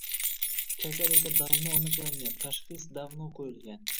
Kasal esa davno aniqlangan, tashxis davno qo‘yilgan.